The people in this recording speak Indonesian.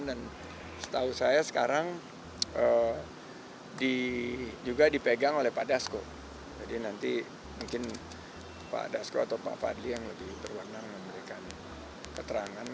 dan setahu saya sekarang juga dipegang oleh pak dasko jadi nanti mungkin pak dasko atau pak fadli yang lebih berwarna memberikan keterangan